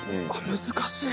難しい。